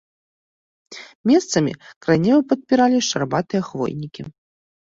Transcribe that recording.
Месцамі край неба падпіралі шчарбатыя хвойнікі.